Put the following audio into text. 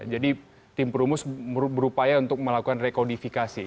jadi tim perumus berupaya untuk melakukan rekodifikasi